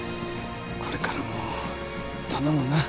これからも頼むな。